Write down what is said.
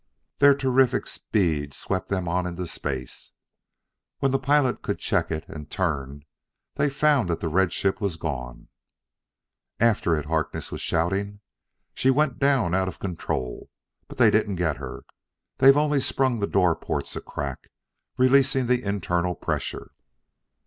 Their terrific speed swept them on into space. When the pilot could check it, and turn, they found that the red ship was gone. "After it!" Harkness was shouting. "She went down out of control, but they didn't get her. They've only sprung the door ports a crack, releasing the internal pressure."